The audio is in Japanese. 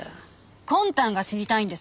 魂胆が知りたいんです。